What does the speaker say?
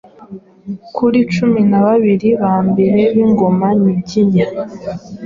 kuri cumi nababiri ba mbere b’ingoma nyiginya.